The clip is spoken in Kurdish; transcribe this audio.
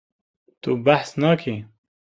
Tu behs nakî.